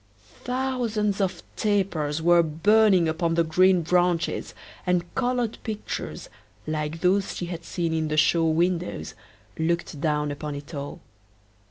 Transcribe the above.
Thousands of tapers were burning upon the green branches, and colored pictures, like those she had seen in the show windows, looked down upon it all.